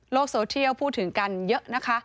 โซเทียลพูดถึงกันเยอะนะคะ